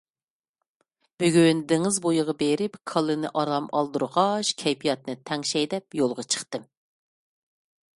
بۈگۈن دېڭىز بويىغا بېرىپ كاللىنى ئارام ئالدۇرغاچ كەيپىياتنى تەڭشەي دەپ يولغا چىقتىم.